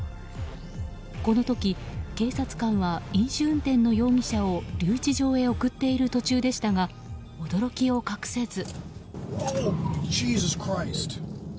この時、警察官は飲酒運転の容疑者を留置場へ送っている途中でしたが驚きを隠せず。